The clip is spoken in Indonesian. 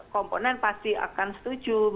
komponen pasti akan setuju